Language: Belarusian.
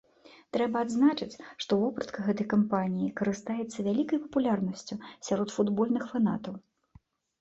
Трэба адзначыць, што вопратка гэтай кампаніі карыстаецца вялікай папулярнасцю сярод футбольных фанатаў.